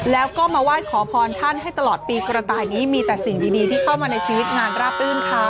แล้วก็มาไหว้ขอพรท่านให้ตลอดปีกระต่ายนี้มีแต่สิ่งดีที่เข้ามาในชีวิตงานราบรื่นค่ะ